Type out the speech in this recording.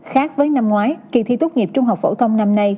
khác với năm ngoái kỳ thi tốt nghiệp trung học phổ thông năm nay